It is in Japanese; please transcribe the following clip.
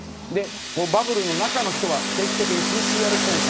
バブルの中の人は定期的にＰＣＲ検査。